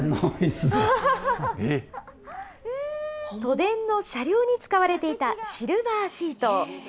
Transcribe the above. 都電の車両に使われていたシルバーシート。